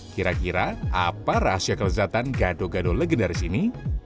kira kira apa rahasia kelezatan gado gado legendaris ini